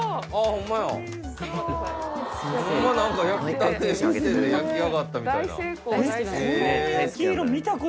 ホンマ何か焼きたて店で焼き上がったみたいな。